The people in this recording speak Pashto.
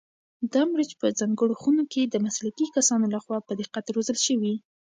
دا مرچ په ځانګړو خونو کې د مسلکي کسانو لخوا په دقت روزل شوي.